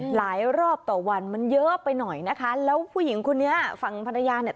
หลายรอบต่อวันมันเยอะไปหน่อยนะคะแล้วผู้หญิงคนนี้ฝั่งภรรยาเนี่ย